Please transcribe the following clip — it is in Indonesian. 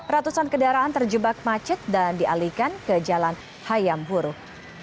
ratusan kendaraan terjebak macet dan dialihkan ke jalan hayam huruf